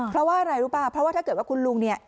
เพราะว่าอะไรรู้ป่ะเพราะว่าถ้าเกิดว่าคุณลุงเนี่ย